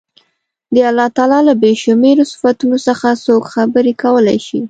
د الله تعالی له بې شمېرو صفتونو څخه څوک خبرې کولای شي.